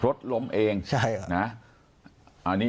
รถล้มเองใช่ครับ